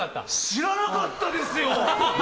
知らなかったですよ。